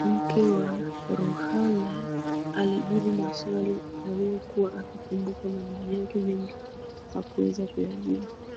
Mke wa Ruhala alijibu maswali aliyokuwa akikumbuka majibu yake mengine hakuweza kuyajibu